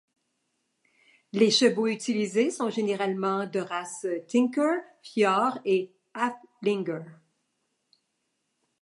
Les chevaux utilisés sont généralement de races Tinker, Fjord et Haflinger.